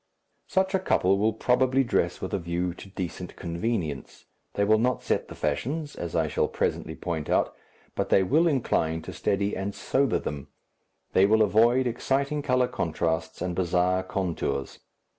Such a couple will probably dress with a view to decent convenience, they will not set the fashions, as I shall presently point out, but they will incline to steady and sober them, they will avoid exciting colour contrasts and bizarre contours.